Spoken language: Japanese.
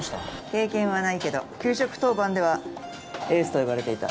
経験はないけど給食当番ではエースと呼ばれていた。